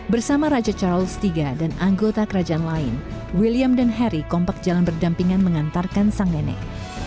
bersama raja charles iii dan anggota kerajaan lain william dan harry kompak jalan berdampingan mengantarkan sang nenek